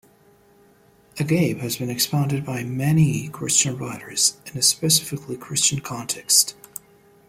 "Agape" has been expounded on by many Christian writers in a specifically Christian context.